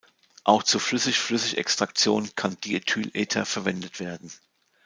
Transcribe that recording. Auch zur Flüssig-Flüssig-Extraktion kann Diethylether verwendet werden.